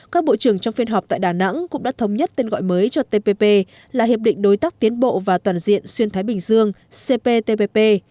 các bộ trưởng trong phiên họp tại đà nẵng cũng đã thống nhất tên gọi mới cho tpp là hiệp định đối tác tiến bộ và toàn diện xuyên thái bình dương cptpp